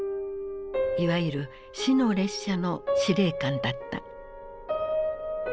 いわゆる「死の列車」の司令官だった。